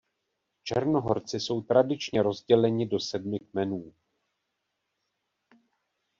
Černohorci jsou tradičně rozděleni do sedmi kmenů.